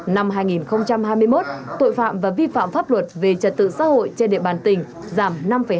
năm hai nghìn hai mươi một tội phạm và vi phạm pháp luật về trật tự xã hội trên địa bàn tỉnh giảm năm hai